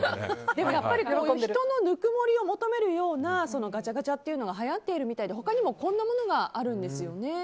でもやっぱり人のぬくもりを求めるようなガチャガチャっていうのがはやっているみたいで他にもこんなものがあるんですね。